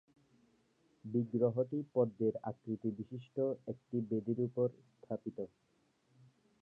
বিগ্রহটি পদ্মের আকৃতিবিশিষ্ট একটি বেদীর উপর স্থাপিত।